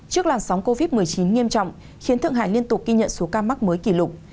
trước làn sóng covid một mươi chín nghiêm trọng khiến thượng hải liên tục ghi nhận số ca mắc mới kỷ lục